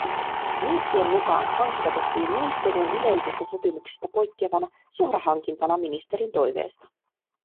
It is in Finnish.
Viestien mukaan hankinta tehtiin ministeriön yleisistä sopimuksista poikkeavana suorahankintana ministerin toiveesta